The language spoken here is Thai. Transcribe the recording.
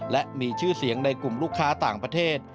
และมีชื่อเสียงในกลุ่มลูกค้าต่างประเทศ